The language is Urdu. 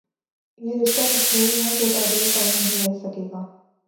یہ رشتہ مصنوعی ہے جو تا دیر قائم نہیں رہ سکے گا۔